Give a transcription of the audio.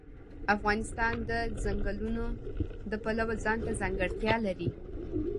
افغانستان د چنګلونه د پلوه ځانته ځانګړتیا لري.